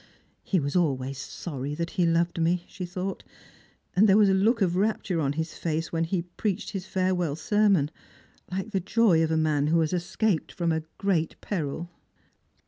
" He was always soiTy that he loved me," she thought, " and there was a look of rapture on his face when he preached his farewell sermon, hke the joy of a man who has escaped from a great peril."